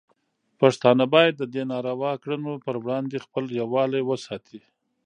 پښتانه باید د دې ناروا کړنو پر وړاندې خپل یووالی وساتي.